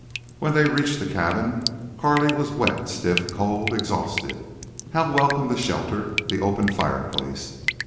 When they reached the cabin Carley was wet, stiff, cold, exhausted. How welcome the shelter, the open fireplace!